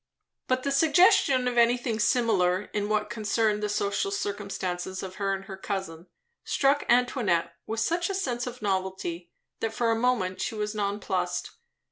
But the suggestion of anything similar in what concerned the social circumstances of her and her cousin, struck Antoinette with such a sense of novelty that, for a moment she was nonplussed.